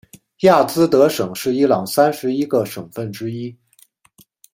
亚兹德省是伊朗三十一个省份之一。